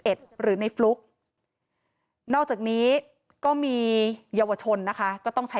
หรือในฟลุ๊กนอกจากนี้ก็มีเยาวชนนะคะก็ต้องใช้